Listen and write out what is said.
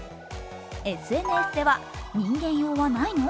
ＳＮＳでは人間用はないの？